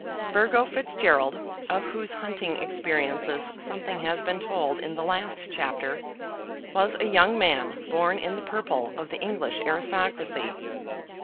Burgo Fitzgerald, of whose hunting experiences something has been told in the last chapter, was a young man born in the purple of the English aristocracy.